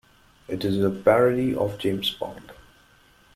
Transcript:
It is a parody of James Bond.